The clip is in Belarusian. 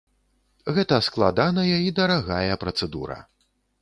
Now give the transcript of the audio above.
Гэта складаная і дарагая працэдура.